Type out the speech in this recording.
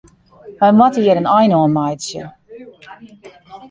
Wy moatte hjir in ein oan meitsje.